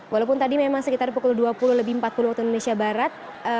walaupun tadi memang sekitar pukul dua puluh lebih empat puluh waktu indonesia barat